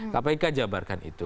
kpk jabarkan itu